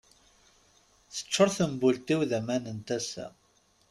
Teččur tembult-iw d aman n tasa.